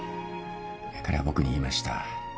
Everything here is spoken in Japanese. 彼は僕に言いました。